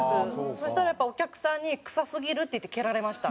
そしたらやっぱお客さんに「臭すぎる」って言って蹴られました。